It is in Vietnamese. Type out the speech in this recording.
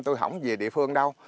tôi không về địa phương đâu